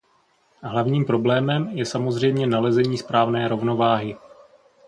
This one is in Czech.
Hlavním problémem je samozřejmě nalezení správné rovnováhy.